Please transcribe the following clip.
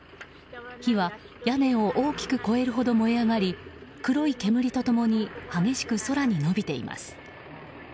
火は屋根を大きく越えるほど燃え上がり黒い煙と共に激しく空に延びています。